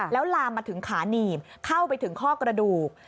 แล้วลามมาถึงขาหนีบเข้าไปถึงข้อกระดูก